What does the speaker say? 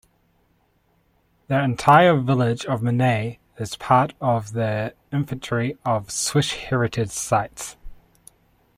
The entire village of Montet is part of the Inventory of Swiss Heritage Sites.